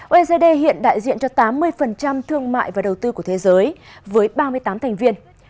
oecd hiện đại diện cho tám mươi thương mại và đầu tư của thế giới với ba mươi tám thành viên